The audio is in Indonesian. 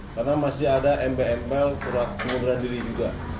karena masih ada mbml surat pengunduran diri juga